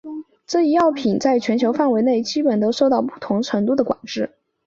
这一药品在全球范围内基本都受到不同程度的管制。